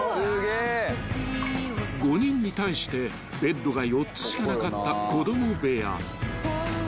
［５人に対してベッドが４つしかなかった子供部屋］